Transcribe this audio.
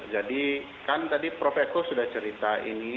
jadi kan tadi prof eko sudah cerita ini